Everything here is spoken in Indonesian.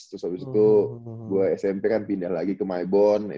terus habis itu dua smp kan pindah lagi ke maibon